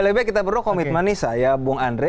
lebih baik kita perlu komitmen nih saya bung andre